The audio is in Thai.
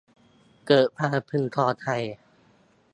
เกิดความพึงพอใจ